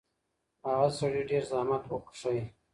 هغه سړي ډېر زحمت وکښی.